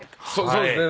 そうですね。